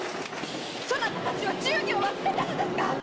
そなたたちは忠義を忘れたのですかっ？